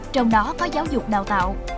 trong đó có giáo dục đào tạo